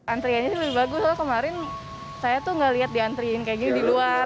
antreannya lebih bagus soalnya kemarin saya tuh nggak lihat diantriin kayak gini di luar